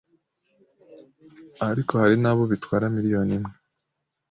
ariko hari n’abo bitwara miliyoni imwe